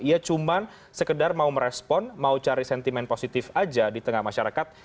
ia cuma sekedar mau merespon mau cari sentimen positif aja di tengah masyarakat